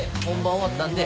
終わったんで。